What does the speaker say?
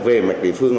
về mặt địa phương